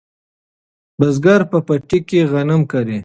بزګر په پټي کې غنم کري.